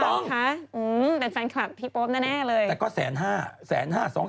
ต่อกลึ่งชั่วโมงใช่ไหมเปล่าคะถูกต้อง